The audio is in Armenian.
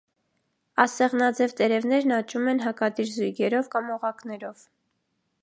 Ասեղնաձև տերևներն աճում են հակադիր զույգերով կամ օղակներով։